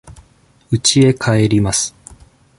うちへ帰ります。